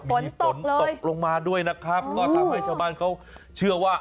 มีฝนตกลงมาด้วยนะครับก็ทำให้ชาวบ้านเขาเชื่อว่า